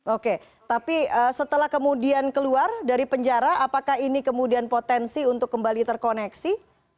oke tapi setelah kemudian keluar dari penjara apakah ini kemudian potensi untuk kembali terkoneksi